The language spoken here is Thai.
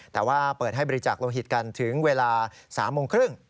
แต่ว่าเปิดให้บริจาคโลหิตกันถึงเวลา๓โมงครึ่ง